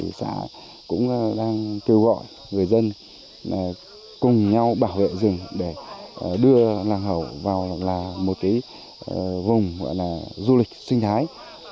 đấy cho hai nghìn một mươi năm và hai nghìn hai mươi thì xã cũng đang kêu gọi người dân cùng nhau bảo vệ rừng để đưa nàng hậu vào là một cái vùng gọi là du lịch sinh thái